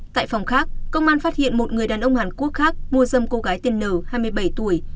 tại phòng khác công an phát hiện một người đàn ông hàn quốc khác mua dâm cô gái tiên n hai mươi bảy tuổi